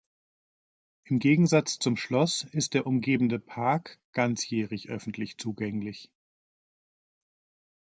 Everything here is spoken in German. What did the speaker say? Im Gegensatz zum Schloss ist der umgebende Park ganzjährig öffentlich zugänglich.